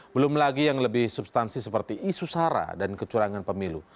belum lagi yang lebih substansi seperti isu sara dan kecurangan pemilu